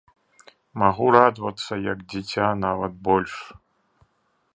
Магу радавацца як дзіця, нават больш!